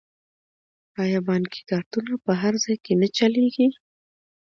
آیا بانکي کارتونه په هر ځای کې نه چلیږي؟